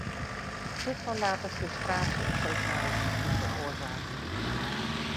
Dit kan later frustratie en sociale ziekten veroorzaken.